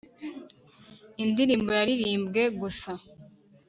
indirimbo yaririmbwe gusa